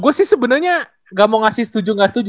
gue sih sebenernya gak mau ngasih setuju gak setuju